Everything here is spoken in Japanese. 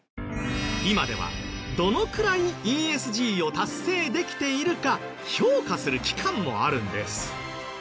今ではどのくらいＥＳＧを達成できているか評価する機関もあるんです。